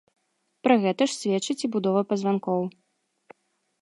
Пра гэта ж сведчыць і будова пазванкоў.